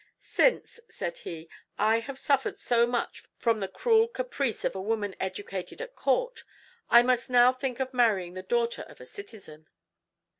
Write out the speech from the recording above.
"Since," said he, "I have suffered so much from the cruel caprice of a woman educated at court, I must now think of marrying the daughter of a citizen."